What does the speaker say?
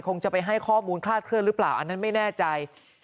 คงจะไปให้ข้อมูลคลาดเคลื่อนหรือเปล่าอันนั้นไม่แน่ใจ